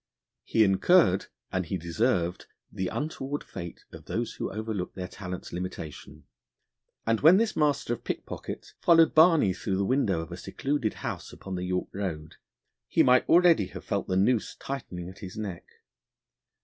He incurred and he deserved the untoward fate of those who overlook their talents' limitation; and when this master of pickpockets followed Barney through the window of a secluded house upon the York Road, he might already have felt the noose tightening at his neck.